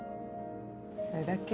それだけ？